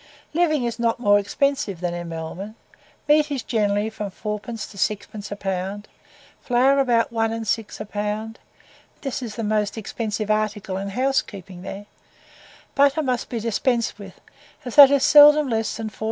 Living is not more expensive than in Melbourne: meat is generally from 4d. to 6d. a pound, flour about 1s. 6d a pound, (this is the most expensive article in house keeping there,) butter must be dispensed with, as that is seldom less than 4s.